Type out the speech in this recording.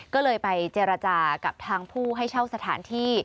ก็เลยไปเจรจากับทางผู้ให้เช่าสถานที่